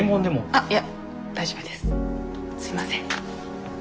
すいません。